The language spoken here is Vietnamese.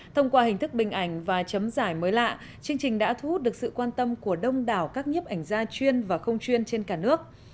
thông qua hình thức bình ảnh và chấm giải mới lạ chương trình đã thu hút được sự quan tâm của đông đảo các nhếp ảnh gia chuyên và không chuyên trên cả nước